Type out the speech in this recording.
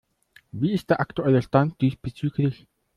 Wie ist der aktuelle Stand diesbezüglich?